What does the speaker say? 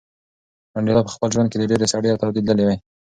منډېلا په خپل ژوند کې ډېرې سړې او تودې لیدلې وې.